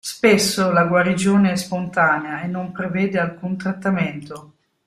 Spesso la guarigione è spontanea e non prevede alcun trattamento.